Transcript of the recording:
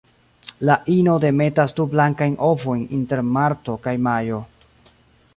La ino demetas du blankajn ovojn inter marto kaj majo.